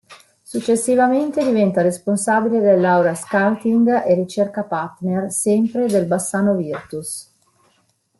Successivamente diventa responsabile dell'area scouting e ricerca partner, sempre del Bassano Virtus.